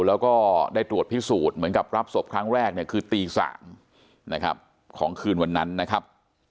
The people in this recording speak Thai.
แล้วก็ได้ตรวจพิสูจน์เหมือนกับรับศพครั้งแรกเนี่ยคือตี๓นะครับของคืนวันนั้นนะครับ